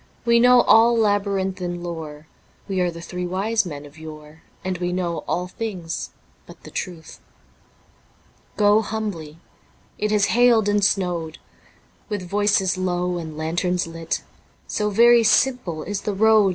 We know all labyrinthine lore, We are the three Wise Men of yore, And we know all things but the truth. Go humbly ... it has hailed and snowed ... With voices low and lanterns lit, So very simple is the road.